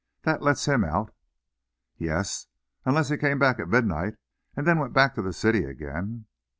That lets him out." "Yes, unless he came back at midnight, and then went back to the city again."